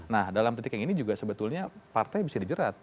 nah dalam petik yang ini juga sebetulnya partai bisa dijerat